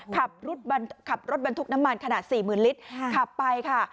ขับรถบรรทุกน้ำมันขนาด๔๐๐๐ลิตรขับไปค่ะ